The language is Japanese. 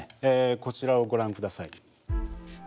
こちらをご覧ください。